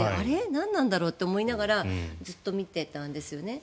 何なんだろうと思いながらずっと見てたんですよね。